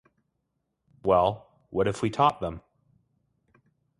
Well, what if we taught them?